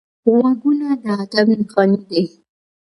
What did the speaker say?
غوږونه د ادب نښانې دي